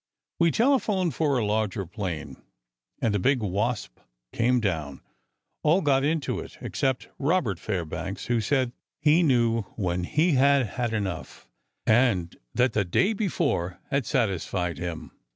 "We telephoned for a larger plane, and a big Wasp came down. All got into it except Robert Fairbanks, who said he knew when he had had enough, and that the day before had satisfied him.